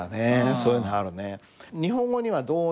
そういうのあるね。